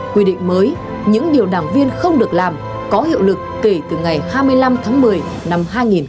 quy định mới những điều đảng viên không được làm có hiệu lực kể từ ngày hai mươi năm tháng một mươi năm hai nghìn một mươi tám